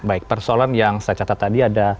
baik persoalan yang saya catat tadi ada